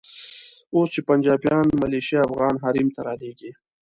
اوس چې پنجابیان ملیشې افغان حریم ته رالېږي.